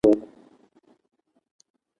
د متن لنډیز دا دی چې ملي ارشیف ځانګړې اداره ده.